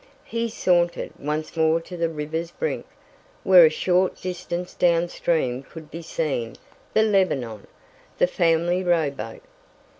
He sauntered once more to the river's brink, where a short distance down stream could be seen the Lebanon, the family rowboat.